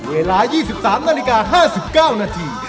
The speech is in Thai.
เวลา๒๓นาฬิกา๕๙นาที